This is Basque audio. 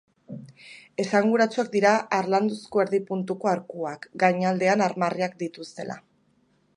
Esanguratsuak dira harlanduzko erdi-puntuko arkuak, gainaldean armarriak dituztela.